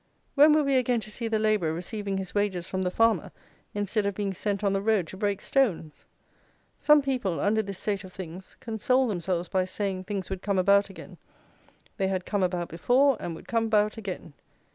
When were we again to see the labourer receiving his wages from the farmer instead of being sent on the road to break stones? Some people, under this state of things, consoled themselves by saying things would come about again; they had come about before, and would come about again.